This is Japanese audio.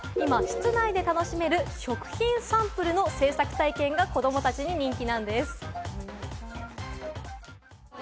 危険な暑さが続く中、今室内で楽しめる食品サンプルの製作体験が子どもたちに人気なんです。